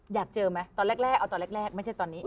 อยากเจอไหมตอนแรกเอาตอนแรกไม่ใช่ตอนนี้